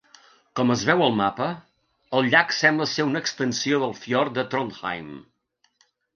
Com es veu al mapa, el llac sembla ser una extensió del fiord de Trondheim.